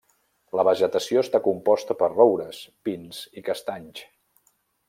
La vegetació està composta per roures, pins i castanys.